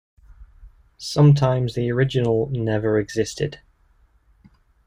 Sometimes the original never existed.